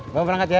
bapak berangkat ya